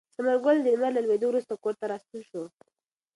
ثمر ګل د لمر له لوېدو وروسته کور ته راستون شو.